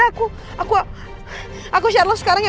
aku aku aku share lokasi sekarang ya